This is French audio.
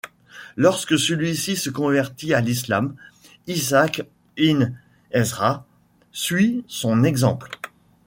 Lorsque celui-ci se convertit à l'islam, Isaac ibn Ezra suit son exemple.